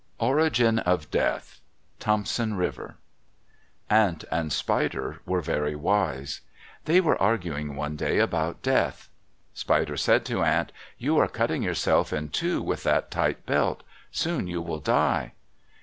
ORIGIN OF DEATH Thompson River Ant and Spider were very wise. They were arguing one day about death. Spider said to Ant, "You are cutting yourself in two with that tight belt. Soon you will die."